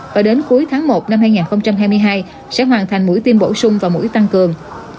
và đến cuối tháng một năm hai nghìn hai mươi hai sẽ hoàn thành mũi tiêm bổ sung vào mũi tăng cường